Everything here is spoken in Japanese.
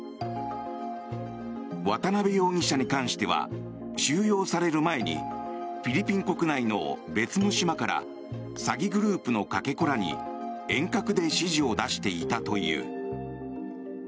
渡邉容疑者に関しては収容される前にフィリピン国内の別の島から詐欺グループのかけ子らに遠隔で指示を出していたという。